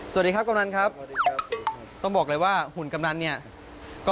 สวัสดีครับกำนันครับต้องบอกเลยว่าหุ่นกำนันเนี่ยสวัสดีครับ